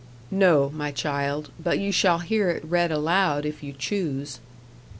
"No, my child; but you shall hear it read aloud, if you choose."